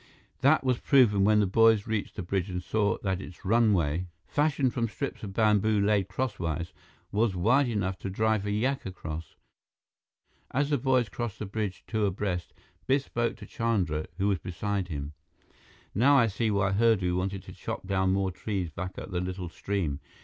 That was proven when the boys reached the bridge and saw that its runway, fashioned from strips of bamboo laid crosswise, was wide enough to drive a yak across. As the boys crossed the bridge two abreast, Biff spoke to Chandra, who was beside him. "Now I see why Hurdu wanted to chop down more trees back at the little stream.